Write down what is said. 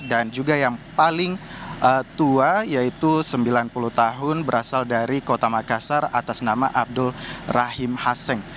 dan juga yang paling tua yaitu sembilan puluh tahun berasal dari kota makassar atas nama abdul rahim haseng